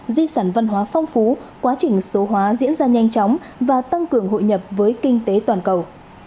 di sản văn hóa phong phú quá trình số hóa diễn ra nhanh chóng và tăng cường hội nhập với kinh tế toàn cầu